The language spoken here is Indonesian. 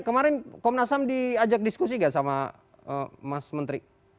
kemarin komnas ham diajak diskusi gak sama mas menteri